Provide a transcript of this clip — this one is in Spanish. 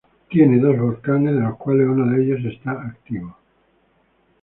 Tiene dos volcanes de los cuales uno de ellos está activo